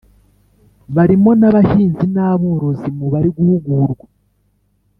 barimo n’abahinzi n’ aborozi mubari guhugurwa